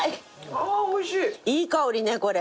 いい香りねこれ。